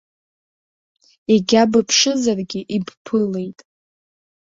Егьа быԥшызаргьы ибԥылеит!